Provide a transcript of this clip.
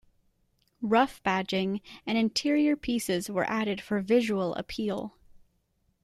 Ruf badging and interior pieces were added for visual appeal.